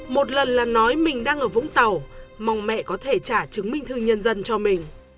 một lần là nói mình đang ở vũng tàu mong mẹ có thể trả chứng minh thư nhân dân cho mình